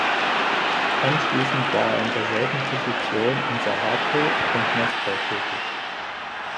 Anschließend war er in selber Position im Saratow und Moskau tätig.